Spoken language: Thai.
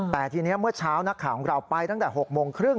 แต่ทีนี้เมื่อเช้านักข่าวของเราไปตั้งแต่๖โมงครึ่ง